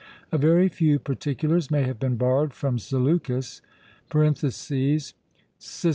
A very few particulars may have been borrowed from Zaleucus (Cic.